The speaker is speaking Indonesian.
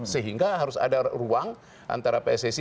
sehingga harus ada ruang antara pssi